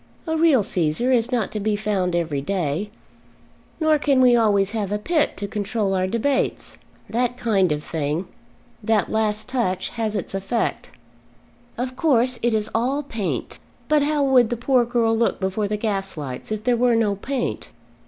A real Cæsar is not to be found every day, nor can we always have a Pitt to control our debates. That kind of thing, that last touch has its effect. Of course it is all paint, but how would the poor girl look before the gaslights if there were no paint?